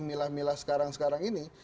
milah milah sekarang sekarang ini